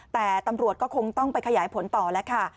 แต่ตำรวจก็คงต้องไปขยายผลต่อแล้วค่ะ